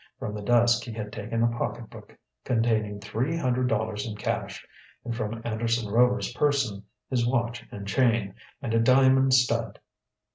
From the desk he had taken a pocketbook containing three hundred dollars in cash, and from Anderson Rover's person his watch and chain, and a diamond stud.